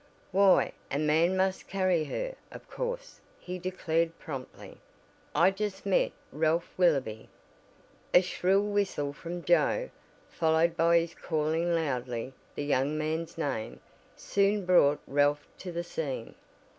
"Why, a man must carry her, of course," he declared promptly, "I just met Ralph Willoby " A shrill whistle from Joe, followed by his calling loudly the young man's name, soon brought Ralph to the scene.